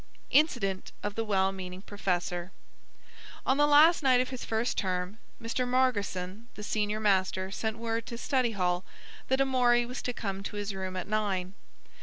INCIDENT OF THE WELL MEANING PROFESSOR On the last night of his first term, Mr. Margotson, the senior master, sent word to study hall that Amory was to come to his room at nine.